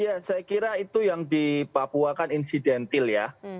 ya saya kira itu yang di papua kan insidentil ya